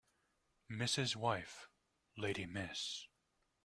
Mrs. wife lady Miss